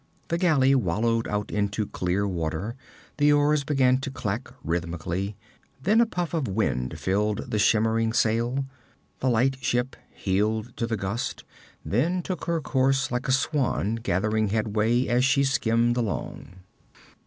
The galley wallowed out into clear water, the oars began to clack rhythmically; then a puff of wind filled the shimmering sail, the light ship heeled to the gust, then took her course like a swan, gathering headway as she skimmed along.